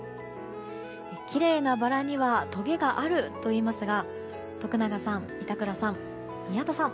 きれいなバラにはとげがあるといいますが徳永さん、板倉さん、宮田さん